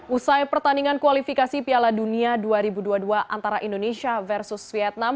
usai pertandingan kualifikasi piala dunia dua ribu dua puluh dua antara indonesia versus vietnam